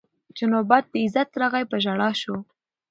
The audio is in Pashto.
چي نوبت د عزت راغی په ژړا سو